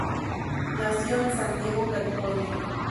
Nació en San Diego, California.